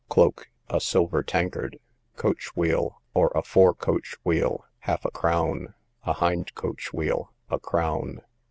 Cloak, a silver tankard. Coach wheel, or a fore coach wheel, half a crown; a hind coach wheel, a crown.